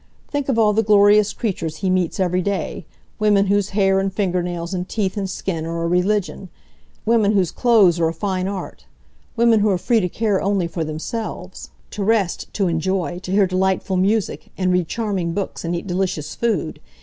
Think of all the glorious creatures he meets every day women whose hair, and finger nails and teeth and skin are a religion; women whose clothes are a fine art; women who are free to care only for themselves; to rest, to enjoy, to hear delightful music, and read charming books, and eat delicious food.